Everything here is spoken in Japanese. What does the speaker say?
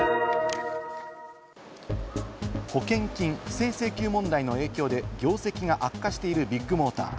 保険金不正請求問題の影響で業績が悪化しているビッグモーター。